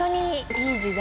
いい時代？